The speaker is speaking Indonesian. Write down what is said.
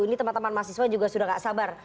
ini teman teman mahasiswa juga sudah tidak sabar